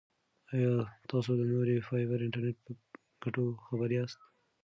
ایا تاسو د نوري فایبر انټرنیټ په ګټو خبر یاست؟